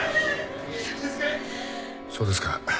そうですか。